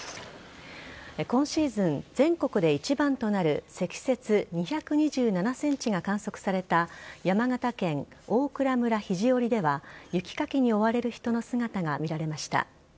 今シーズン、全国で一番となる積雪２２７センチが観測された山形県大蔵村肘折では、雪かきに追われる人の姿が見られました。